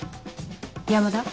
山田。